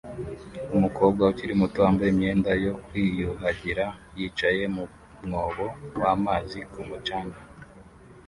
Umukobwa ukiri muto wambaye imyenda yo kwiyuhagira yicaye mu mwobo wamazi ku mucanga